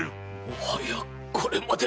もはやこれまで！